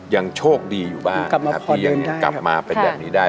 ยังโชคดีอยู่บ้างครับกลับมาพอเดินได้ครับที่ยังกลับมาเป็นแบบนี้ได้